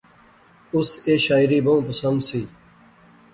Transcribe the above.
اس ایہہ شاعری بہوں پسند سی